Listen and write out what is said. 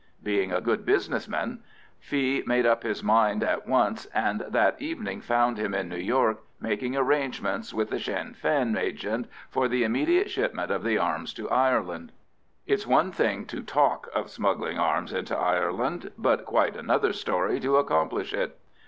Being a good business man, Fee made up his mind at once, and that evening found him in New York making arrangements with the Sinn Fein agent for the immediate shipment of the arms to Ireland. It's one thing to talk of smuggling arms into Ireland, but quite another story to accomplish it.